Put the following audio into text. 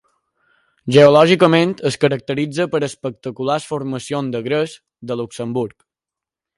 Geològicament, es caracteritza per espectaculars formacions de gres de Luxemburg.